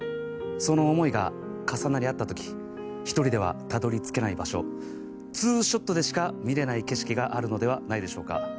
その思いが重なり合った時１人ではたどり着けない場所２ショットでしか見れない景色があるのではないでしょうか。